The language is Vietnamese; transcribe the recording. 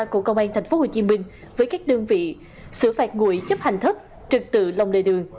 của công an tp hcm với các đơn vị xử phạt ngụy chấp hành thấp trực tự lòng lề đường